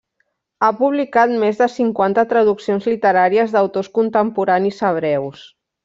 Ha publicat més de cinquanta traduccions literàries d'autors contemporanis hebreus.